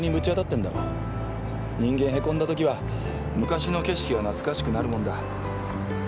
人間へこんだときは昔の景色が懐かしくなるもんだ。